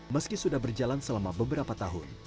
meski sudah berjalan selama beberapa tahun